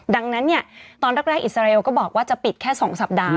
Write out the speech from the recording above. ดังนั้นตอนแรกอิสราเอลก็บอกว่าจะปิดแค่๒สัปดาห์